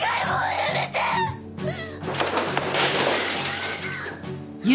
やめてよ！